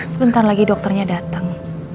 sebentar lagi dokternya dateng